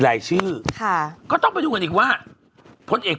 รายชื่อค่ะก็ต้องไปดูกันอีกว่าพลเอก